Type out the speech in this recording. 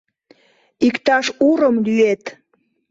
Иктаж урым лӱет.